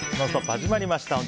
始まりました。